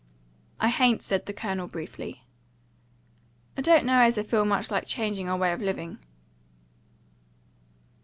"I hain't," said the colonel briefly. "I don't know as I feel much like changing our way of living."